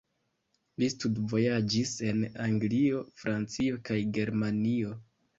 Li studvojaĝis en Anglio, Francio kaj Germanio.